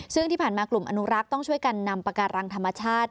ซึ่งที่ผ่านมากลุ่มอนุรักษ์ต้องช่วยกันนำปาการังธรรมชาติ